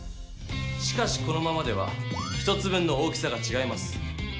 しかしこのままでは１つ分の大きさがちがいます。